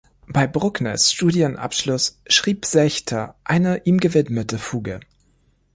Bei Bruckners Studienabschluss schrieb Sechter eine ihm gewidmete Fuge.